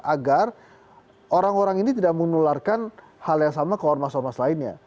agar orang orang ini tidak menularkan hal yang sama ke orang mas mas lainnya